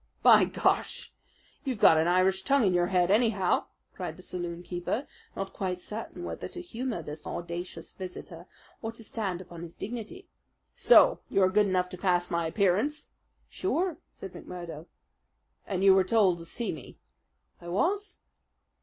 "By Gar! you've got an Irish tongue in your head anyhow," cried the saloon keeper, not quite certain whether to humour this audacious visitor or to stand upon his dignity. "So you are good enough to pass my appearance?" "Sure," said McMurdo. "And you were told to see me?" "I was."